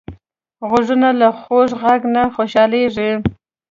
غوږونه له خوږ غږ نه خوشحالېږي